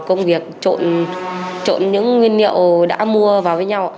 công việc trộn những nguyên liệu đã mua vào với nhau